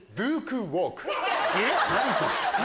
何それ⁉